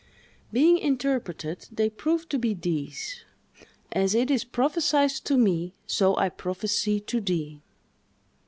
Being interpreted, they proved to be these: "As it is prophesied to me, so I prophesy to thee!"